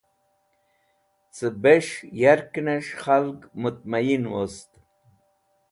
Cẽ bes̃h yarknẽs̃h khalg mutmain wost.